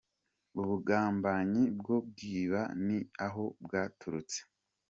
Ubugambanyi bwo kwiba ni aho bwaturutse “.